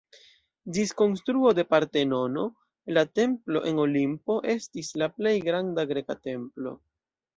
Ĝis konstruo de Partenono la templo en Olimpio estis la plej granda greka templo.